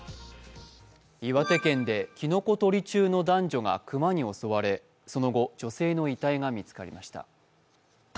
岩手県できのこ採り中の男女が熊に襲われその後、女性の遺体が見つかりました。